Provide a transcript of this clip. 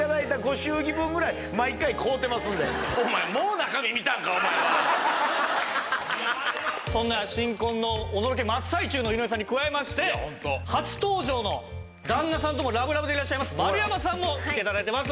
大体そんな新婚のおのろけ真っ最中の井上さんに加えまして初登場の旦那さんともラブラブでいらっしゃいます丸山さんも来て頂いています。